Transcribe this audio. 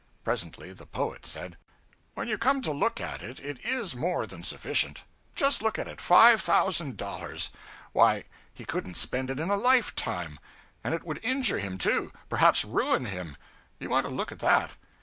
Presently the poet said 'When you come to look at it, it is more than sufficient. Just look at it five thousand dollars! Why, he couldn't spend it in a lifetime! And it would injure him, too; perhaps ruin him you want to look at that.